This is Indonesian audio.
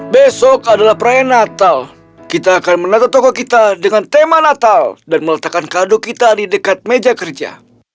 besok adalah perayaan natal kita akan menata toko kita dengan tema natal dan meletakkan kado kita di dekat meja kerja